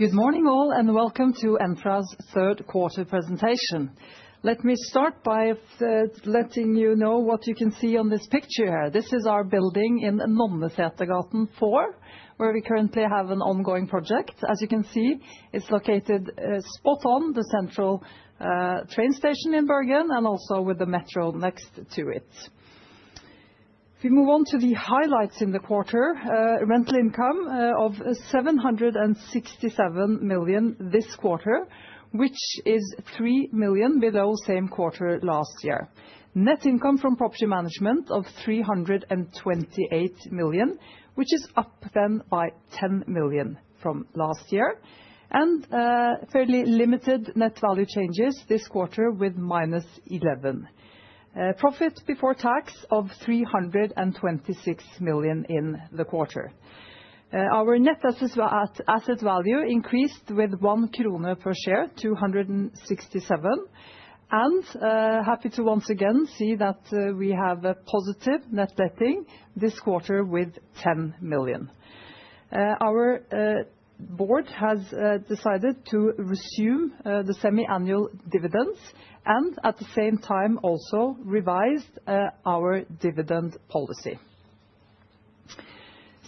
Good morning all, and welcome to Entra's third quarter presentation. Let me start by letting you know what you can see on this picture here. This is our building in Nonnesetergaten 4, where we currently have an ongoing project. As you can see, it's located spot on the central train station in Bergen and also with the metro next to it. If we move on to the highlights in the quarter, rental income of 767 million this quarter, which is three million below same quarter last year. Net income from property management of 328 million, which is up then by 10 million from last year, and fairly limited net value changes this quarter with minus 11. Profit before tax of 326 million in the quarter. Our net asset value increased with one krone per share, 267. Happy to once again see that we have a positive net letting this quarter with 10 million. Our board has decided to resume the semi-annual dividends and at the same time also revised our dividend policy.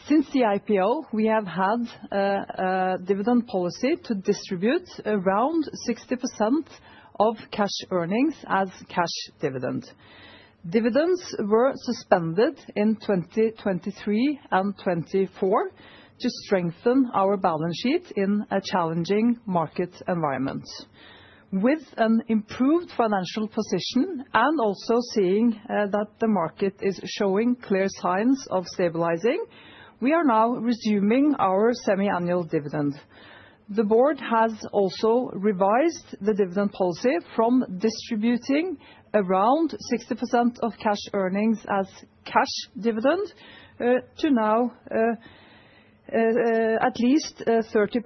Since the IPO, we have had dividend policy to distribute around 60% of cash earnings as cash dividend. Dividends were suspended in 2023 and 2024 to strengthen our balance sheet in a challenging market environment. With an improved financial position and also seeing that the market is showing clear signs of stabilizing, we are now resuming our semi-annual dividend. The board has also revised the dividend policy from distributing around 60% of cash earnings as cash dividend to now at least 30%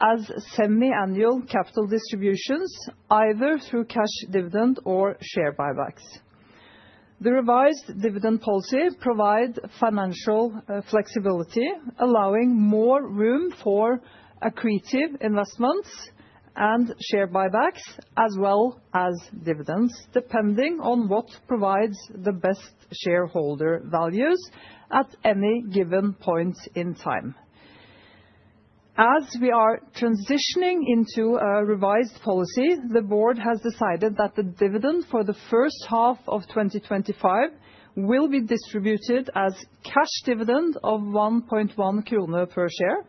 as semi-annual capital distributions, either through cash dividend or share buybacks. The revised dividend policy provides financial flexibility, allowing more room for accretive investments and share buybacks, as well as dividends, depending on what provides the best shareholder values at any given point in time. As we are transitioning into a revised policy, the board has decided that the dividend for the first half of 2025 will be distributed as cash dividend of 1.1 kroner per share.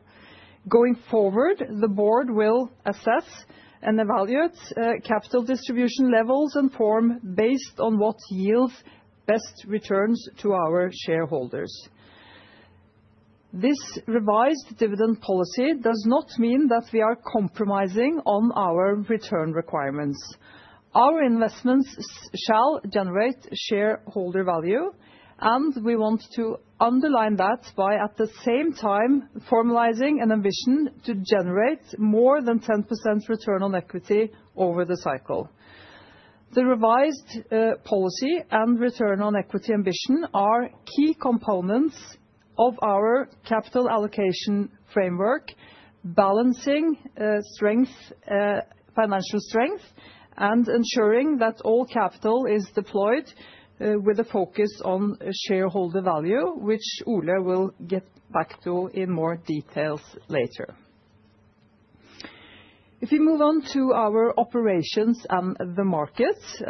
Going forward, the board will assess and evaluate capital distribution levels and form based on what yields best returns to our shareholders. This revised dividend policy does not mean that we are compromising on our return requirements. Our investments shall generate shareholder value, and we want to underline that by at the same time formalizing an ambition to generate more than 10% return on equity over the cycle. The revised policy and return on equity ambition are key components of our capital allocation framework, balancing financial strength and ensuring that all capital is deployed with a focus on shareholder value, which Ole will get back to in more details later. If we move on to our operations and the markets,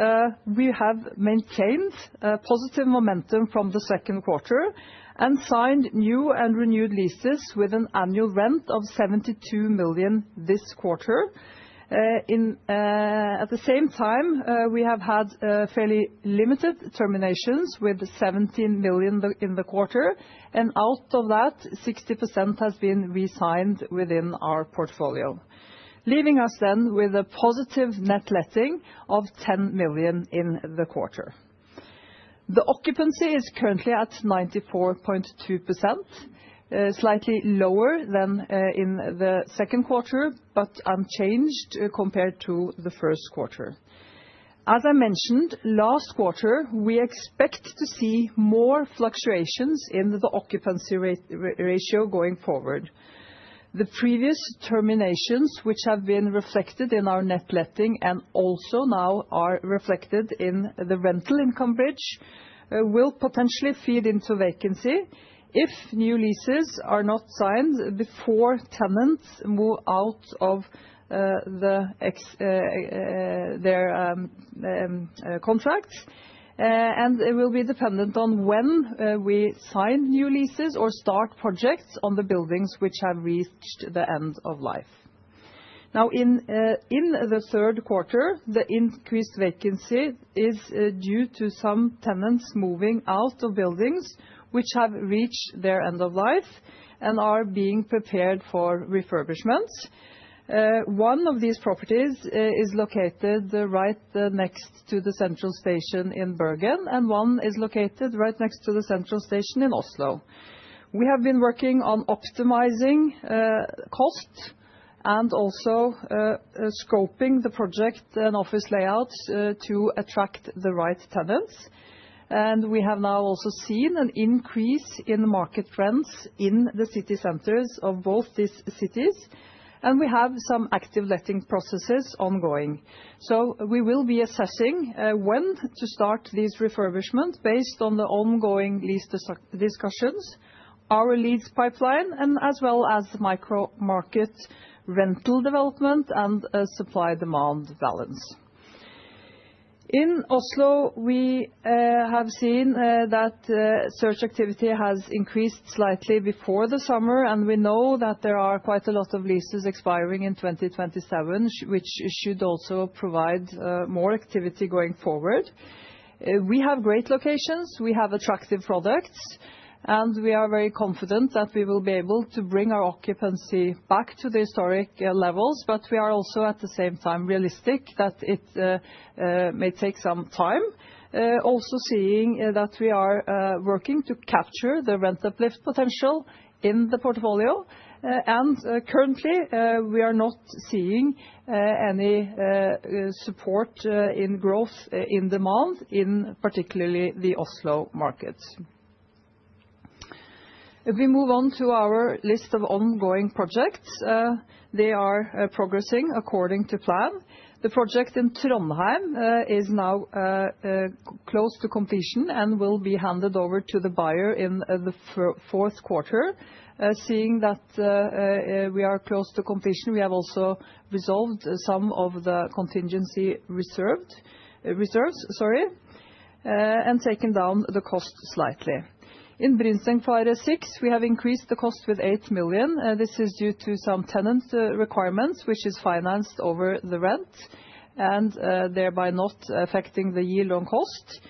we have maintained positive momentum from the second quarter and signed new and renewed leases with an annual rent of 72 million this quarter. At the same time, we have had fairly limited terminations with 17 million in the quarter, and out of that, 60% has been re-signed within our portfolio, leaving us then with a positive net letting of 10 million in the quarter. The occupancy is currently at 94.2%, slightly lower than in the second quarter, but unchanged compared to the first quarter. As I mentioned, last quarter, we expect to see more fluctuations in the occupancy ratio going forward. The previous terminations, which have been reflected in our net letting and also now are reflected in the rental income bridge, will potentially feed into vacancy if new leases are not signed before tenants move out of their contracts, and it will be dependent on when we sign new leases or start projects on the buildings which have reached the end of life. Now, in the third quarter, the increased vacancy is due to some tenants moving out of buildings which have reached their end of life and are being prepared for refurbishment. One of these properties is located right next to the central station in Bergen, and one is located right next to the central station in Oslo. We have been working on optimizing cost and also scoping the project and office layouts to attract the right tenants, and we have now also seen an increase in market trends in the city centers of both these cities, and we have some active letting processes ongoing, so we will be assessing when to start these refurbishments based on the ongoing lease discussions, our lease pipeline, and as well as micro-market rental development and supply-demand balance. In Oslo, we have seen that search activity has increased slightly before the summer, and we know that there are quite a lot of leases expiring in 2027, which should also provide more activity going forward. We have great locations, we have attractive products, and we are very confident that we will be able to bring our occupancy back to the historic levels, but we are also at the same time realistic that it may take some time. Also seeing that we are working to capture the rent uplift potential in the portfolio, and currently we are not seeing any support in growth in demand, in particular the Oslo market. If we move on to our list of ongoing projects, they are progressing according to plan. The project in Trondheim is now close to completion and will be handed over to the buyer in the fourth quarter. Seeing that we are close to completion, we have also resolved some of the contingency reserves, and taken down the cost slightly. In Brynsengfaret 6, we have increased the cost with 8 million. This is due to some tenant requirements, which is financed over the rent, and thereby not affecting the year-long cost.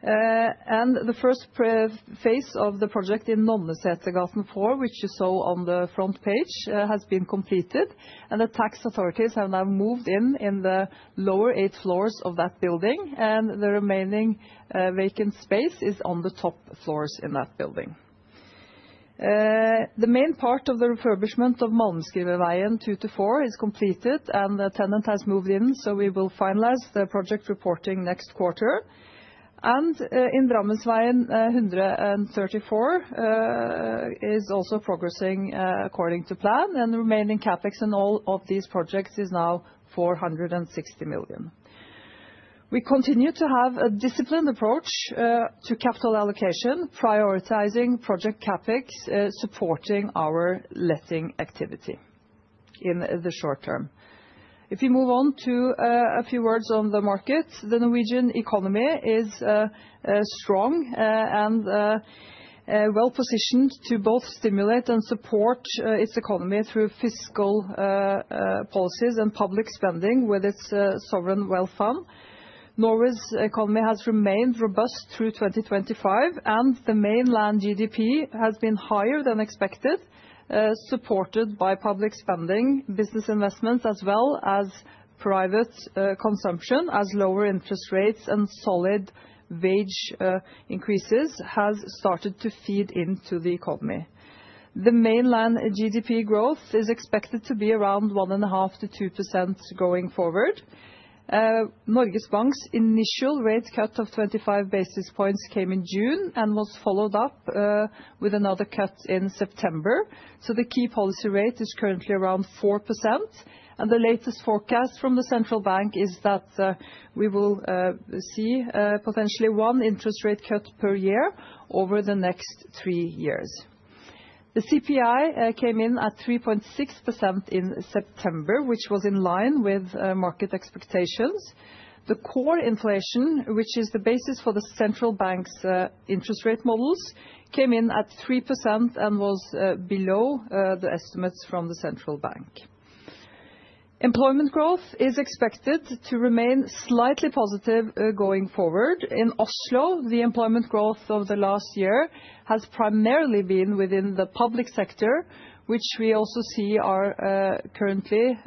And the first phase of the project in Nonnesetergaten 4, which you saw on the front page, has been completed, and the tax authorities have now moved in the lower eight floors of that building, and the remaining vacant space is on the top floors in that building. The main part of the refurbishment of Malmskriverveien 2-4 is completed, and the tenant has moved in, so we will finalize the project reporting next quarter. And in Drammensveien 134 is also progressing according to plan, and the remaining CapEx in all of these projects is now 460 million. We continue to have a disciplined approach to capital allocation, prioritizing project CapEx, supporting our letting activity in the short term. If we move on to a few words on the market, the Norwegian economy is strong and well-positioned to both stimulate and support its economy through fiscal policies and public spending with its sovereign wealth fund. Norway's economy has remained robust through 2025, and the mainland GDP has been higher than expected, supported by public spending, business investments, as well as private consumption, as lower interest rates and solid wage increases have started to feed into the economy. The mainland GDP growth is expected to be around 1.5%-2% going forward. Norges Bank's initial rate cut of 25 basis points came in June and was followed up with another cut in September, so the key policy rate is currently around 4%, and the latest forecast from the central bank is that we will see potentially one interest rate cut per year over the next three years. The CPI came in at 3.6% in September, which was in line with market expectations. The core inflation, which is the basis for the central bank's interest rate models, came in at 3% and was below the estimates from the central bank. Employment growth is expected to remain slightly positive going forward. In Oslo, the employment growth of the last year has primarily been within the public sector, which we also see are currently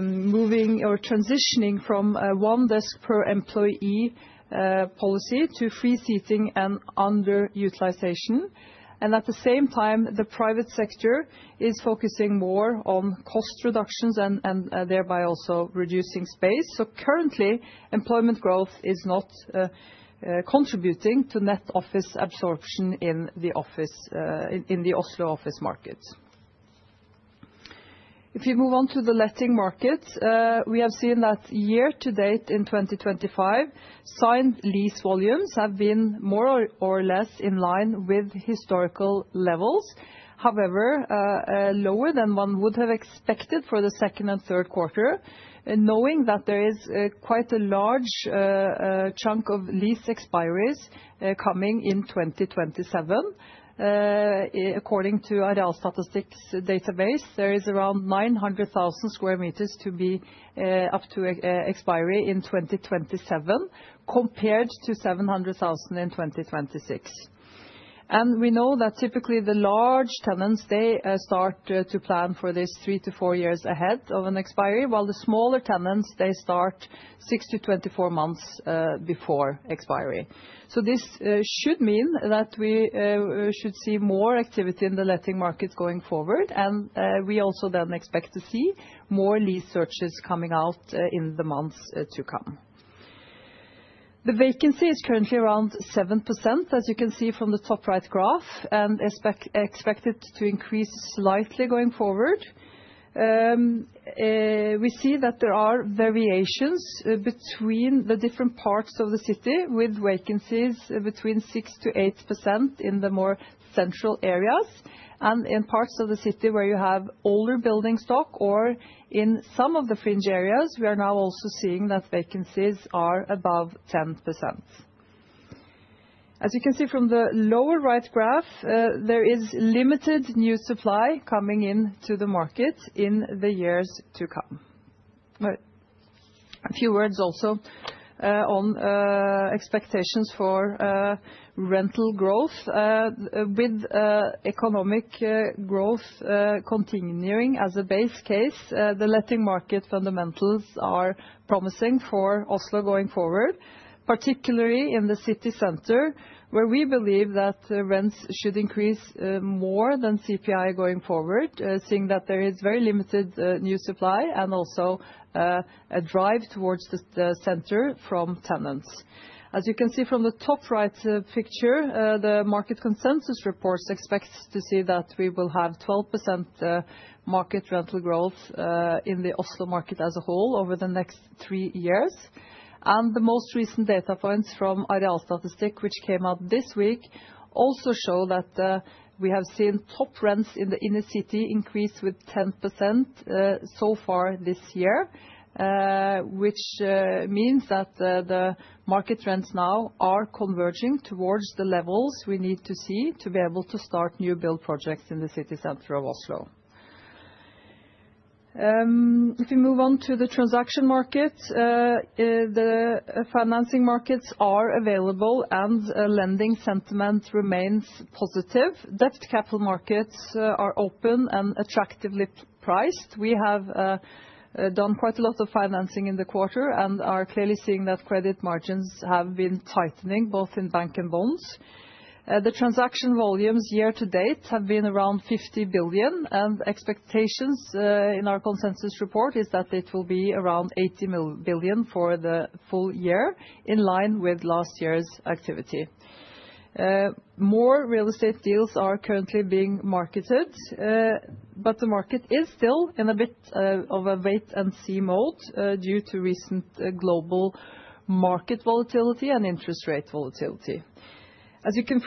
moving or transitioning from one desk per employee policy to free seating and underutilization, and at the same time, the private sector is focusing more on cost reductions and thereby also reducing space, so currently, employment growth is not contributing to net office absorption in the Oslo office market. If we move on to the letting market, we have seen that year to date in 2025, signed lease volumes have been more or less in line with historical levels. However, lower than one would have expected for the second and third quarter, knowing that there is quite a large chunk of lease expiries coming in 2027. According to Arealstatistikk database, there is around 900,000 square meters to be up to expiry in 2027, compared to 700,000 in 2026, and we know that typically the large tenants, they start to plan for this three to four years ahead of an expiry, while the smaller tenants, they start six to 24 months before expiry, so this should mean that we should see more activity in the letting market going forward, and we also then expect to see more lease searches coming out in the months to come. The vacancy is currently around 7%, as you can see from the top right graph, and expected to increase slightly going forward. We see that there are variations between the different parts of the city with vacancies between 6%-8% in the more central areas and in parts of the city where you have older building stock, or in some of the fringe areas, we are now also seeing that vacancies are above 10%. As you can see from the lower right graph, there is limited new supply coming into the market in the years to come. A few words also on expectations for rental growth. With economic growth continuing as a base case, the letting market fundamentals are promising for Oslo going forward, particularly in the city center, where we believe that rents should increase more than CPI going forward, seeing that there is very limited new supply and also a drive towards the center from tenants. As you can see from the top right picture, the market consensus reports expect to see that we will have 12% market rental growth in the Oslo market as a whole over the next three years. And the most recent data points from Arealstatistikk, which came out this week, also show that we have seen top rents in the inner city increase with 10% so far this year, which means that the market trends now are converging towards the levels we need to see to be able to start new build projects in the city center of Oslo. If we move on to the transaction market, the financing markets are available and lending sentiment remains positive. Debt capital markets are open and attractively priced. We have done quite a lot of financing in the quarter and are clearly seeing that credit margins have been tightening both in bank and bonds. The transaction volumes year to date have been around 50 billion, and expectations in our consensus report is that it will be around 80 billion for the full year, in line with last year's activity. More real estate deals are currently being marketed, but the market is still in a bit of a wait-and-see mode due to recent global market volatility and interest rate volatility. As you can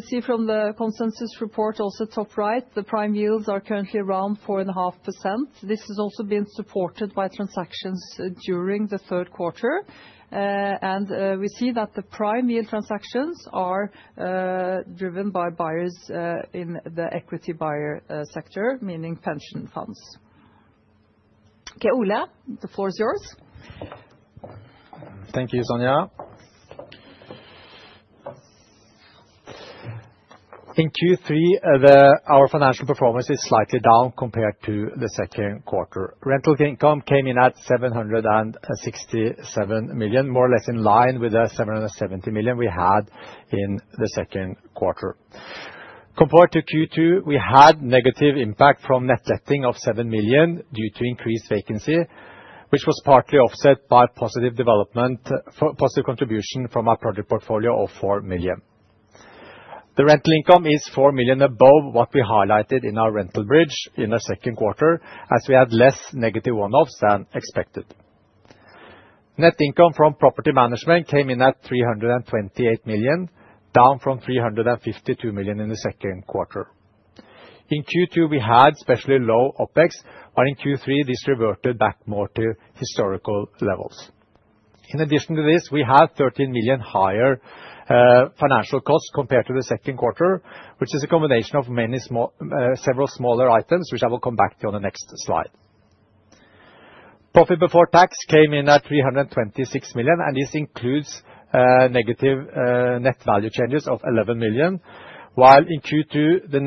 see from the consensus report, also top right, the prime yields are currently around 4.5%. This has also been supported by transactions during the third quarter, and we see that the prime yield transactions are driven by buyers in the equity buyer sector, meaning pension funds. Okay, Ole, the floor is yours. Thank you, Sonja. In Q3, our financial performance is slightly down compared to the second quarter. Rental income came in at 767 million, more or less in line with the 770 million we had in the second quarter. Compared to Q2, we had negative impact from net letting of 7 million due to increased vacancy, which was partly offset by positive development, positive contribution from our project portfolio of 4 million. The rental income is 4 million above what we highlighted in our rental bridge in the second quarter, as we had less negative one-offs than expected. Net income from property management came in at 328 million, down from 352 million in the second quarter. In Q2, we had especially low OPEX, but in Q3, this reverted back more to historical levels. In addition to this, we had 13 million higher financial costs compared to the second quarter, which is a combination of many small, several smaller items, which I will come back to on the next slide. Profit before tax came in at 326 million, and this includes negative net value changes of 11 million, while in Q2, the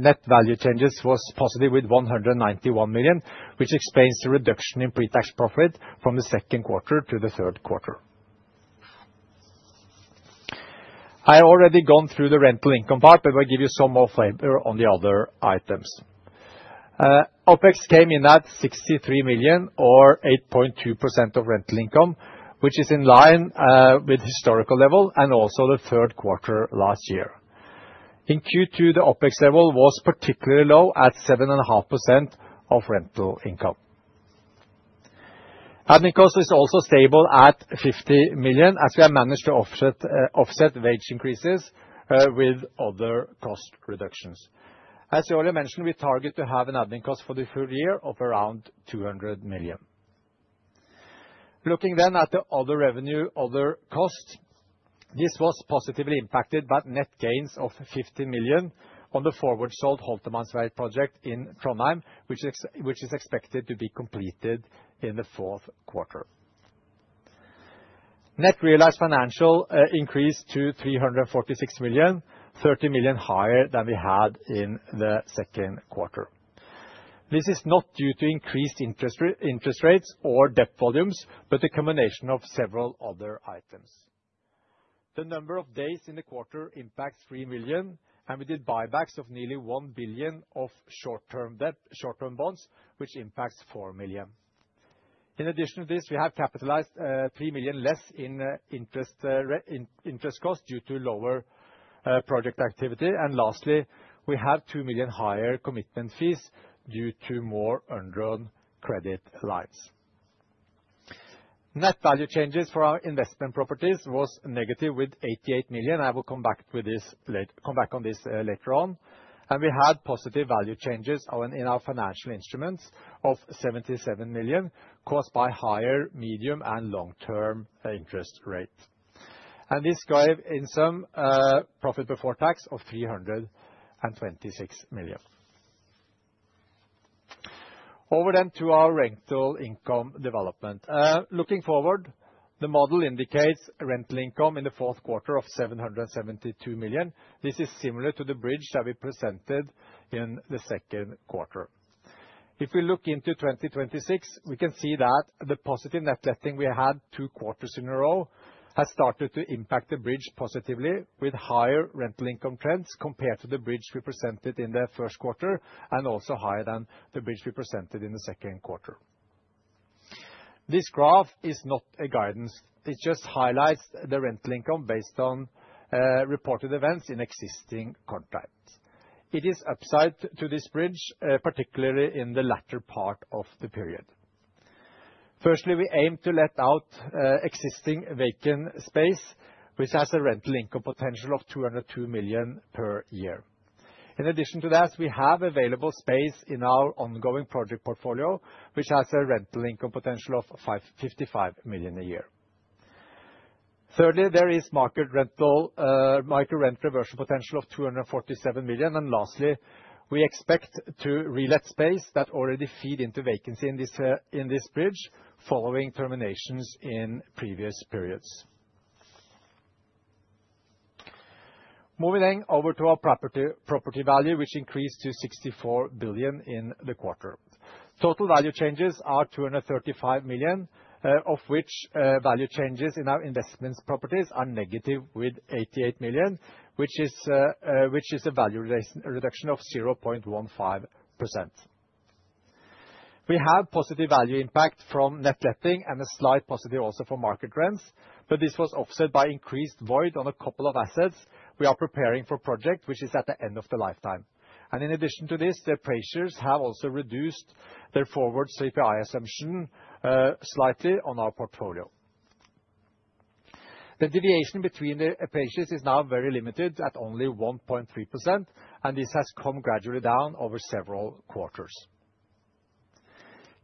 net value changes were positive with 191 million, which explains the reduction in pre-tax profit from the second quarter to the third quarter. I have already gone through the rental income part, but I will give you some more flavor on the other items. OPEX came in at 63 million, or 8.2% of rental income, which is in line with historical level and also the third quarter last year. In Q2, the OPEX level was particularly low at 7.5% of rental income. Admin cost is also stable at 50 million, as we have managed to offset wage increases with other cost reductions. As we already mentioned, we target to have an admin cost for the full year of around 200 million. Looking then at the other revenue, other costs, this was positively impacted by net gains of 50 million on the forward sold Holtermanns veg project in Trondheim, which is expected to be completed in the fourth quarter. Net realized financial increased to 346 million, 30 million higher than we had in the second quarter. This is not due to increased interest rates or debt volumes, but the combination of several other items. The number of days in the quarter impacts 3 million, and we did buybacks of nearly 1 billion of short-term bonds, which impacts 4 million. In addition to this, we have capitalized 3 million less in interest cost due to lower project activity, and lastly, we have 2 million higher commitment fees due to more earned loan credit lines. Net value changes for our investment properties were negative with 88 million. I will come back to this later on. We had positive value changes in our financial instruments of 77 million caused by higher medium and long-term interest rates. This gave in some profit before tax of 326 million. Over to our rental income development. Looking forward, the model indicates rental income in the fourth quarter of 772 million. This is similar to the bridge that we presented in the second quarter. If we look into 2026, we can see that the positive net letting we had two quarters in a row has started to impact the bridge positively with higher rental income trends compared to the bridge we presented in the first quarter and also higher than the bridge we presented in the second quarter. This graph is not a guidance. It just highlights the rental income based on reported events in existing contracts. It is upside to this bridge, particularly in the latter part of the period. Firstly, we aim to let out existing vacant space, which has a rental income potential of 202 million per year. In addition to that, we have available space in our ongoing project portfolio, which has a rental income potential of 55 million a year. Thirdly, there is market rental market rent reversion potential of 247 million, and lastly, we expect to relet space that already feed into vacancy in this bridge following terminations in previous periods. Moving then over to our property value, which increased to 64 billion in the quarter. Total value changes are 235 million, of which value changes in our investment properties are negative with 88 million, which is a value reduction of 0.15%. We have positive value impact from net letting and a slight positive also for market rents, but this was offset by increased void on a couple of assets we are preparing for project, which is at the end of the lifetime, and in addition to this, the appraisals have also reduced their forward CPI assumption slightly on our portfolio. The deviation between the appraisals is now very limited at only 1.3%, and this has come gradually down over several quarters.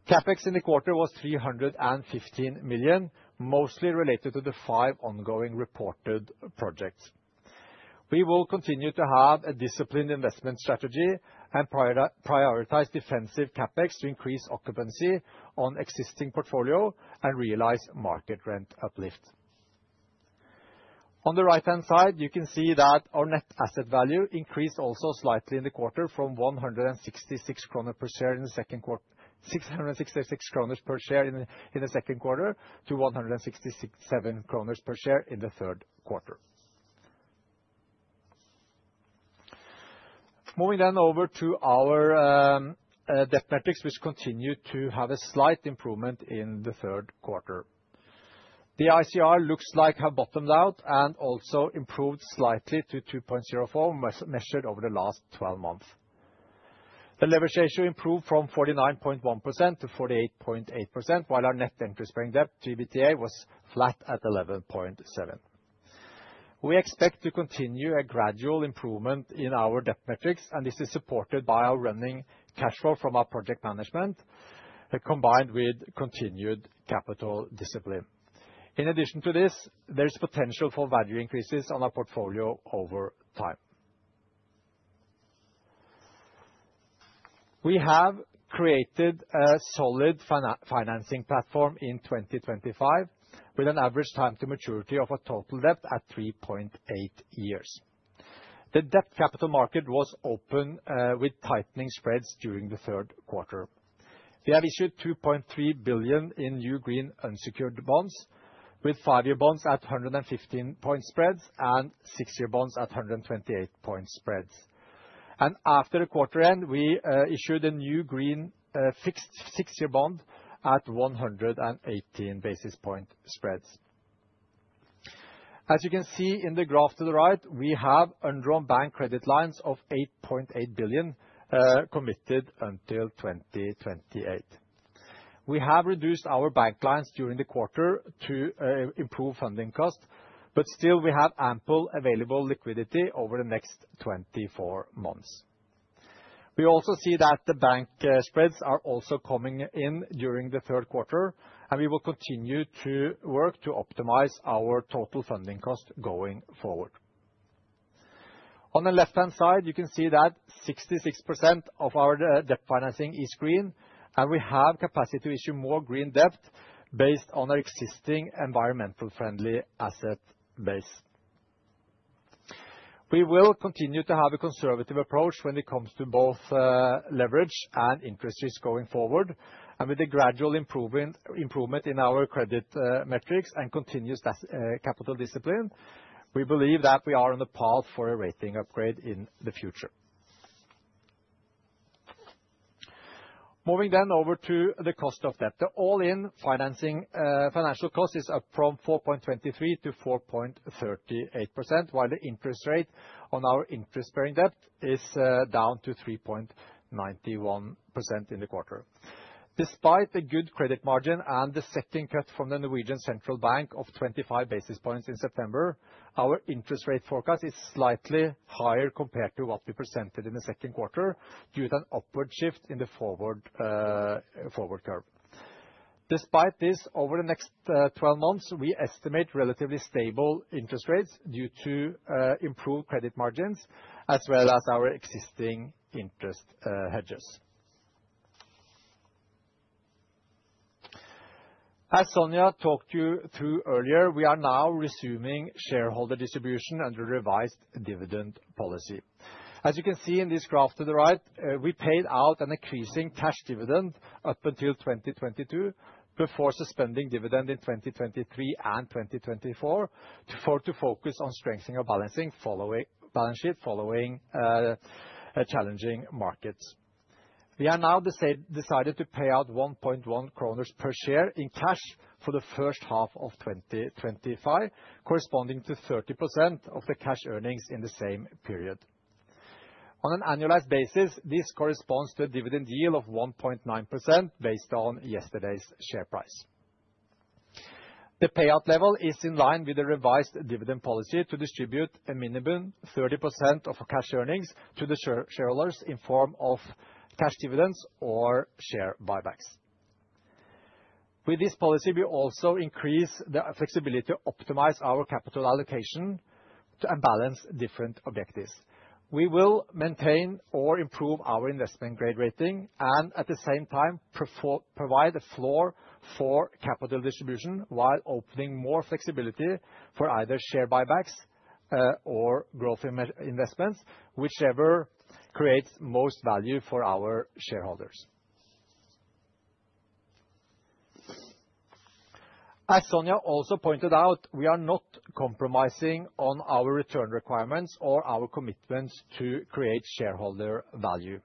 CapEx in the quarter was 315 million, mostly related to the five ongoing reported projects. We will continue to have a disciplined investment strategy and prioritize defensive CapEx to increase occupancy on existing portfolio and realize market rent uplift. On the right-hand side, you can see that our net asset value increased also slightly in the quarter from 166.6 kroner per share in the second quarter to 167 kroner per share in the third quarter. Moving then over to our debt metrics, which continue to have a slight improvement in the third quarter. The ICR looks like have bottomed out and also improved slightly to 2.04 measured over the last 12 months. The leverage ratio improved from 49.1% to 48.8%, while our net interest-bearing debt to EBITDA was flat at 11.7%. We expect to continue a gradual improvement in our debt metrics, and this is supported by our recurring cash flow from our property management combined with continued capital discipline. In addition to this, there is potential for value increases on our portfolio over time. We have created a solid financing platform in 2025 with an average time to maturity of a total debt at 3.8 years. The debt capital market was open with tightening spreads during the third quarter. We have issued 2.3 billion in new green unsecured bonds with five-year bonds at 115 point spreads and six-year bonds at 128 point spreads, and after the quarter end, we issued a new green fixed six-year bond at 118 basis point spreads. As you can see in the graph to the right, we have undrawn bank credit lines of 8.8 billion committed until 2028. We have reduced our bank lines during the quarter to improve funding costs, but still we have ample available liquidity over the next 24 months. We also see that the bank spreads are also coming in during the third quarter, and we will continue to work to optimize our total funding cost going forward. On the left-hand side, you can see that 66% of our debt financing is green, and we have capacity to issue more green debt based on our existing environmental friendly asset base. We will continue to have a conservative approach when it comes to both leverage and interest rates going forward, and with the gradual improvement in our credit metrics and continuous capital discipline, we believe that we are on the path for a rating upgrade in the future. Moving then over to the cost of debt. The all-in financial cost is up from 4.23 to 4.38%, while the interest rate on our interest-bearing debt is down to 3.91% in the quarter. Despite the good credit margin and the second cut from the Norwegian Central Bank of 25 basis points in September, our interest rate forecast is slightly higher compared to what we presented in the second quarter due to an upward shift in the forward curve. Despite this, over the next 12 months, we estimate relatively stable interest rates due to improved credit margins as well as our existing interest hedges. As Sonja talked you through earlier, we are now resuming shareholder distribution under revised dividend policy. As you can see in this graph to the right, we paid out an increasing cash dividend up until 2022 before suspending dividend in 2023 and 2024 to focus on strengthening our balance sheet following challenging markets. We have now decided to pay out 1.1 kroner per share in cash for the first half of 2025, corresponding to 30% of the cash earnings in the same period. On an annualized basis, this corresponds to a dividend yield of 1.9% based on yesterday's share price. The payout level is in line with the revised dividend policy to distribute a minimum 30% of cash earnings to the shareholders in form of cash dividends or share buybacks. With this policy, we also increase the flexibility to optimize our capital allocation to balance different objectives. We will maintain or improve our investment grade rating and at the same time provide a floor for capital distribution while opening more flexibility for either share buybacks or growth investments, whichever creates most value for our shareholders. As Sonja also pointed out, we are not compromising on our return requirements or our commitments to create shareholder value.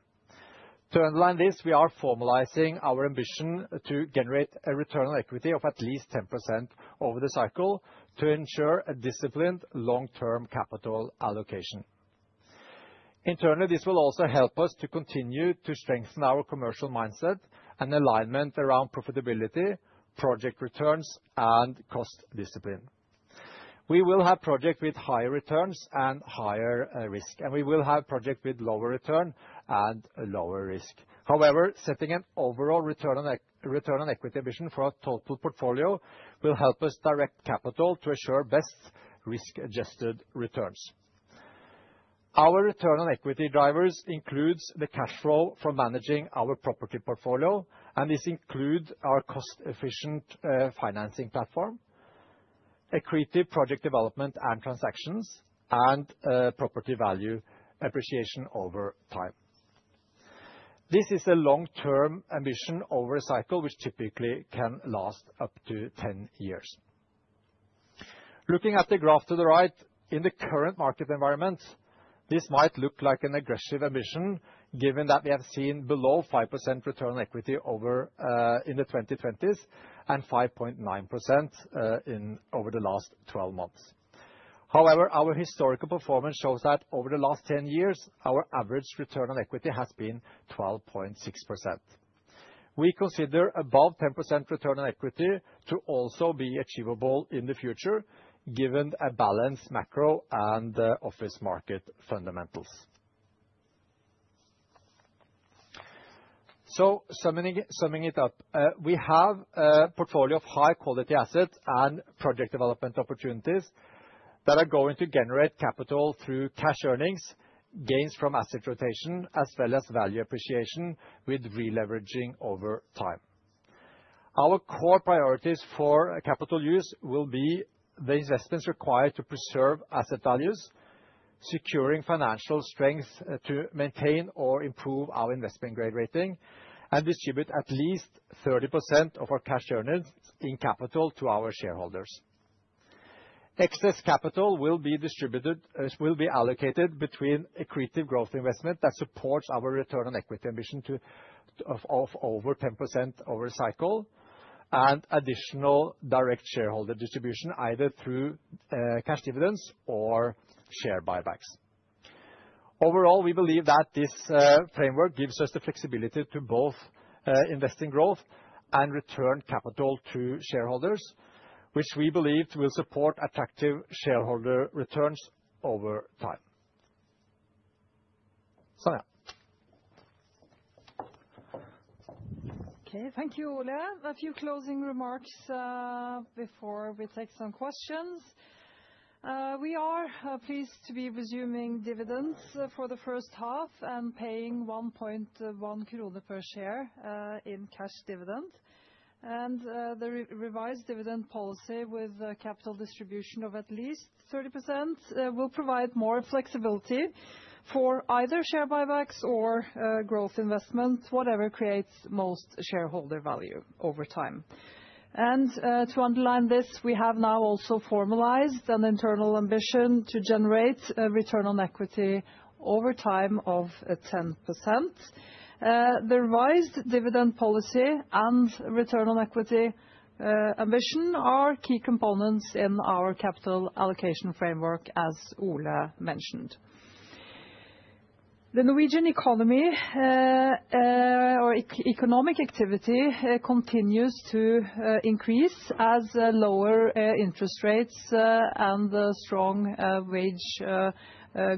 To underline this, we are formalizing our ambition to generate a return on equity of at least 10% over the cycle to ensure a disciplined long-term capital allocation. Internally, this will also help us to continue to strengthen our commercial mindset and alignment around profitability, project returns, and cost discipline. We will have projects with higher returns and higher risk, and we will have projects with lower returns and lower risk. However, setting an overall return on equity ambition for our total portfolio will help us direct capital to assure best risk-adjusted returns. Our return on equity drivers include the cash flow from managing our property portfolio, and this includes our cost-efficient financing platform, equity project development and transactions, and property value appreciation over time. This is a long-term ambition over a cycle which typically can last up to 10 years. Looking at the graph to the right, in the current market environment, this might look like an aggressive ambition given that we have seen below 5% return on equity over in the 2020s and 5.9% over the last 12 months. However, our historical performance shows that over the last 10 years, our average return on equity has been 12.6%. We consider above 10% return on equity to also be achievable in the future given a balanced macro and office market fundamentals. So summing it up, we have a portfolio of high-quality assets and project development opportunities that are going to generate capital through cash earnings, gains from asset rotation, as well as value appreciation with re-leveraging over time. Our core priorities for capital use will be the investments required to preserve asset values, securing financial strength to maintain or improve our investment grade rating, and distribute at least 30% of our cash earnings in capital to our shareholders. Excess capital will be allocated between equity growth investment that supports our return on equity ambition of over 10% over the cycle and additional direct shareholder distribution either through cash dividends or share buybacks. Overall, we believe that this framework gives us the flexibility to both invest in growth and return capital to shareholders, which we believe will support attractive shareholder returns over time. Sonja. Okay, thank you, Ole. A few closing remarks before we take some questions. We are pleased to be resuming dividends for the first half and paying 1.1 kroner per share in cash dividend. And the revised dividend policy with capital distribution of at least 30% will provide more flexibility for either share buybacks or growth investment, whatever creates most shareholder value over time. And to underline this, we have now also formalized an internal ambition to generate a return on equity over time of 10%. The revised dividend policy and return on equity ambition are key components in our capital allocation framework, as Ole mentioned. The Norwegian economy or economic activity continues to increase as lower interest rates and strong wage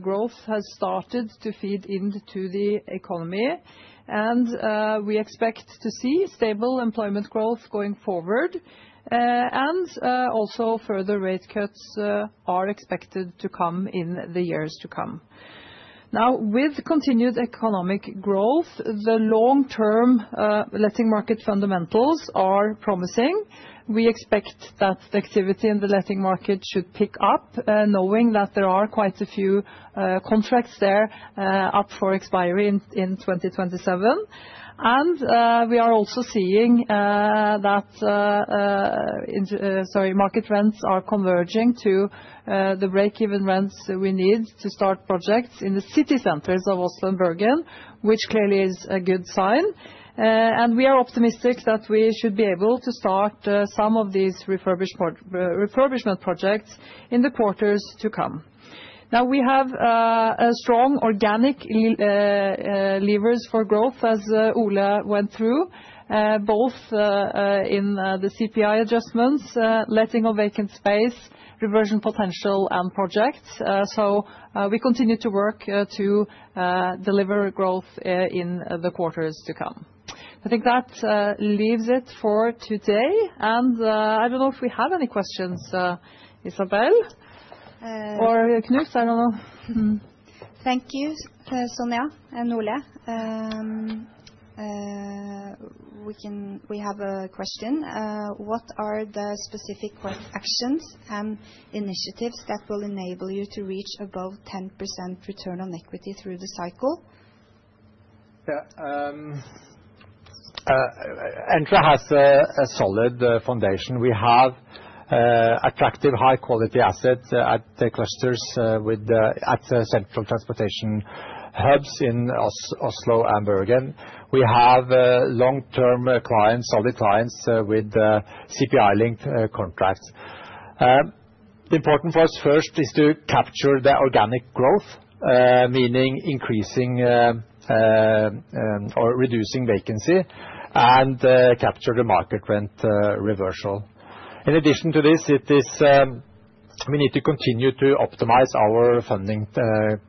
growth has started to feed into the economy. And we expect to see stable employment growth going forward, and also further rate cuts are expected to come in the years to come. Now, with continued economic growth, the long-term letting market fundamentals are promising. We expect that the activity in the letting market should pick up, knowing that there are quite a few contracts there up for expiry in 2027, and we are also seeing that, sorry, market rents are converging to the break-even rents we need to start projects in the city centers of Oslo and Bergen, which clearly is a good sign, and we are optimistic that we should be able to start some of these refurbishment projects in the quarters to come. Now, we have strong organic levers for growth, as Ole went through, both in the CPI adjustments, letting of vacant space, reversion potential, and projects, so we continue to work to deliver growth in the quarters to come. I think that leaves it for today, and I don't know if we have any questions, Isabel or Knut. I don't know. Thank you, Sonja and Ole. We have a question. What are the specific actions and initiatives that will enable you to reach above 10% return on equity through the cycle? Yeah, Entra has a solid foundation. We have attractive high-quality assets at clusters at central transportation hubs in Oslo and Bergen. We have long-term clients, solid clients with CPI-linked contracts. The important for us first is to capture the organic growth, meaning increasing or reducing vacancy and capture the market rent reversal. In addition to this, we need to continue to optimize our funding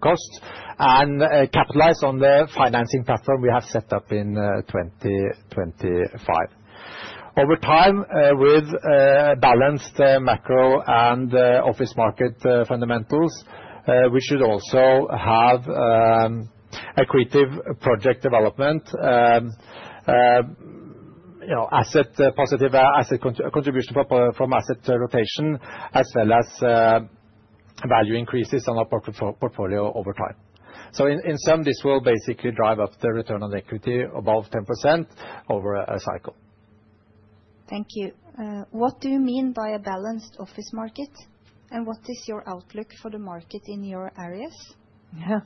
costs and capitalize on the financing platform we have set up in 2025. Over time, with balanced macro and office market fundamentals, we should also have equity project development, asset positive asset contribution from asset rotation, as well as value increases on our portfolio over time. So in sum, this will basically drive up the return on equity above 10% over a cycle. Thank you. What do you mean by a balanced office market? And what is your outlook for the market in your areas? Yeah,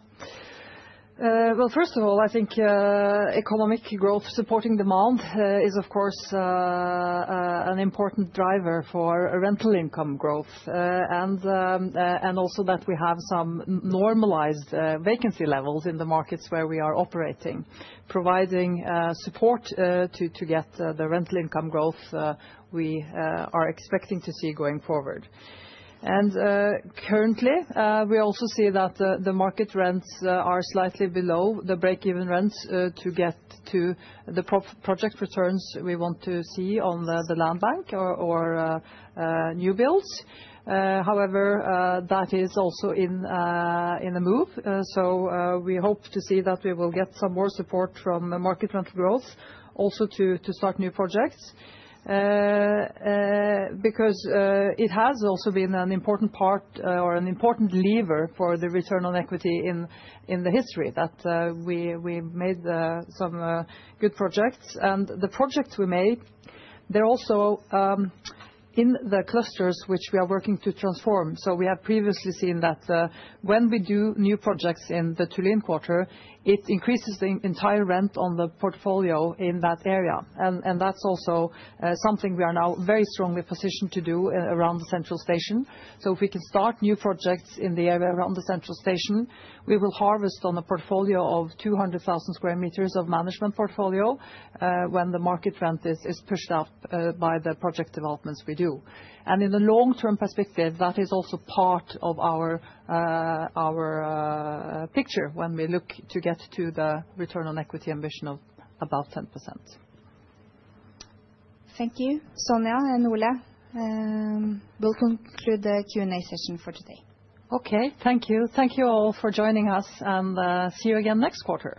well, first of all, I think economic growth supporting demand is, of course, an important driver for rental income growth and also that we have some normalized vacancy levels in the markets where we are operating, providing support to get the rental income growth we are expecting to see going forward. And currently, we also see that the market rents are slightly below the break-even rents to get to the project returns we want to see on the land bank or new builds. However, that is also on the move. So we hope to see that we will get some more support from market rental growth also to start new projects because it has also been an important part or an important lever for the return on equity in the history that we made some good projects. And the projects we made, they're also in the clusters which we are working to transform. So we have previously seen that when we do new projects in the Tullin quarter, it increases the entire rent on the portfolio in that area. And that's also something we are now very strongly positioned to do around the central station. So if we can start new projects in the area around the central station, we will harvest on a portfolio of 200,000 sq m of management portfolio when the market rent is pushed up by the project developments we do. And in the long-term perspective, that is also part of our picture when we look to get to the return on equity ambition of about 10%. Thank you, Sonja and Ole. We'll conclude the Q&A session for today. Okay, thank you. Thank you all for joining us and see you again next quarter.